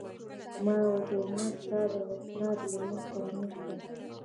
ما ورته وویل: نه، ستا اسناد له موږ سره نشته.